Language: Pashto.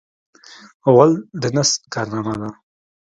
غول د نس کارنامه ده.